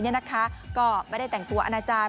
นี่นะคะก็ไม่ได้แต่งตัวอนาจารย์